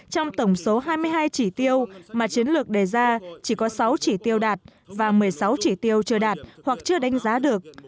trong tổng số hai mươi hai chỉ tiêu mà chiến lược đề ra chỉ có sáu chỉ tiêu đạt và một mươi sáu chỉ tiêu chưa đạt hoặc chưa đánh giá được